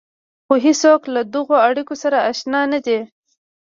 خو هېڅوک له دغو اړيکو سره اشنا نه دي.